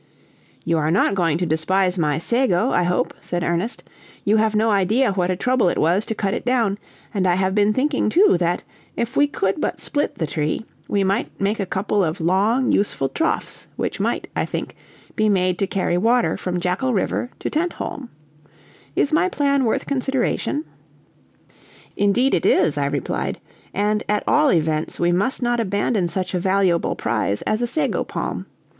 "You are not going to despise my sago, I hope," said Ernest; "you have no idea what a trouble it was to cut it down, and I have been thinking too, that, if we could but split the tree, we might make a couple of long useful troughs, which might, I think, be made to carry water from Jackal River to Tentholm. Is my plan worth consideration?" "Indeed it is," I replied; "and at all events we must not abandon such a valuable prize as a sago palm.